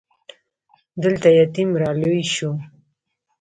دلته يتيم را لوی شو.